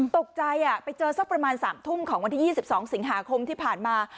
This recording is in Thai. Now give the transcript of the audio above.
ตกใจไปเจอสักประมาณ๓ทุ่มของวันที่๒๒สิงหาคมที่ผ่านมา